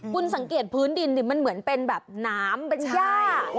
คุณสังเกตพื้นดินมันเหมือนเป็นน้ำบรรยา